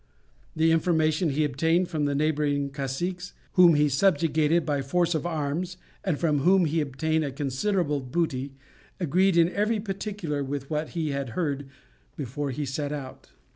The information he obtained from the neighbouring caciques, whom he subjugated by force of arms, and from whom he obtained a considerable booty, agreed in every particular with what he had heard before he set out.